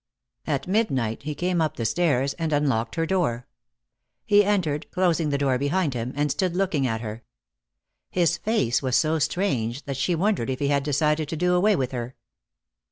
At midnight he came up the stairs and unlocked her door. He entered, closing the door behind him, and stood looking at her. His face was so strange that she wondered if he had decided to do away with her.